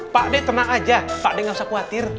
pak d tenang aja pak d gak usah khawatir